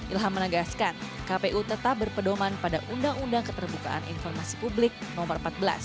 ilham menegaskan kpu tetap berpedoman pada undang undang keterbukaan informasi publik nomor empat belas